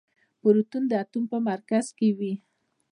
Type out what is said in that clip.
پروتون د اتوم په مرکز کې وي.